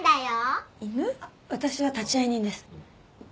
私は立会人です。